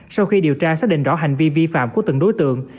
sau khi điều tra xác định rõ hành vi vi phạm của từng đối tượng